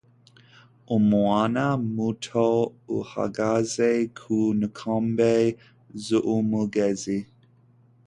Umwana muto uhagaze ku nkombe z'umugezi